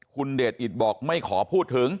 คุณเดชอิตบอกไม่ขอพูดถึง